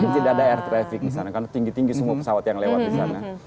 mungkin tidak ada air traffic di sana karena tinggi tinggi semua pesawat yang lewat di sana